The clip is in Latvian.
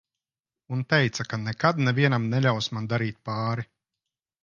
Un teica, ka nekad nevienam neļaus man darīt pāri.